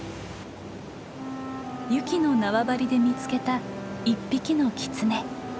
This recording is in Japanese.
ユキの縄張りで見つけた１匹のキツネ。